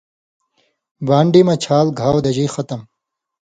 بان٘ڈی مہ چھال گھاؤ دژی ختم